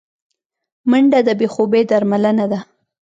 منډه د بې خوبي درملنه ده